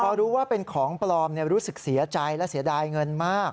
พอรู้ว่าเป็นของปลอมรู้สึกเสียใจและเสียดายเงินมาก